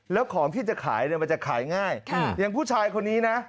แล้วของที่จะขายเนี่ยมันจะขายง่ายอย่างผู้ชายคนนี้นะ